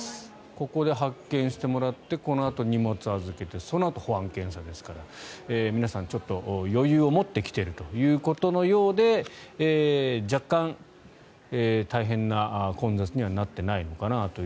ここで発券してもらってこのあと荷物を預けてそのあと保安検査ですから皆さん、余裕を持って来ているということのようで若干、大変な混雑にはなってないのかなと。